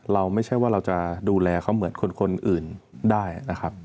ไม่ใช่ว่าเราจะดูแลเขาเหมือนคนอื่นได้นะครับ